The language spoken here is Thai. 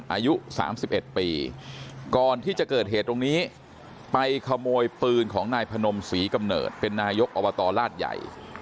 อายุ๓๑ปีก่อนที่จะเกิดเหตุตรงนี้ไปขโมยปืนของนายพนมศรีกำเนิดเป็นนายกอบตลาดใหญ่